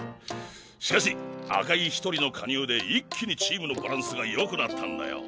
しかし赤井１人の加入で一気にチームのバランスがよくなったんだよ。